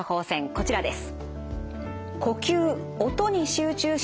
こちらです。